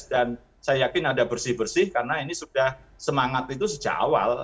dan saya yakin ada bersih bersih karena ini sudah semangat itu sejak awal